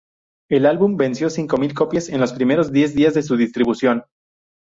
El álbum vendió cinco mil copias en los primeros diez días de su distribución.